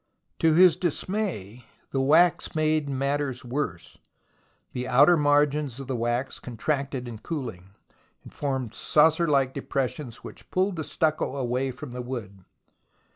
To his dismay the wax made matters worse. The outer margins of the wax contracted in coohng, and formed saucer like depressions which pulled the stucco away from the wood.